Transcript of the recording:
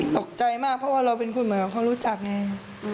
ตกใจมากเพราะว่าเราเป็นคนเหมือนกับเขารู้จักไง